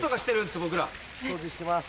僕ら。掃除してます。